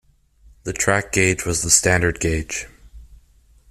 The track gauge was the standard gauge.